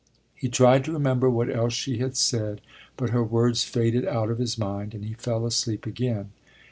He tried to remember what else she had said but her words faded out of his mind and he fell asleep again.